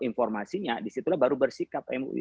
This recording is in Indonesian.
informasinya disitulah baru bersikap mui